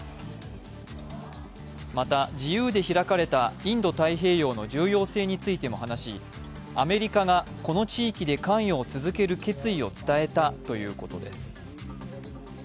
また、自由で開かれたインド太平洋の重要性についても話し、アメリカがこの地域で関与を続ける決意を伝えたということです。